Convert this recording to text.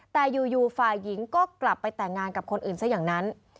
แต่อยู่ฝ่ายหญิงก็กลับไปแต่งงานกับคนอื่นซะอย่างนั้น